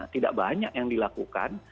tidak banyak yang dilakukan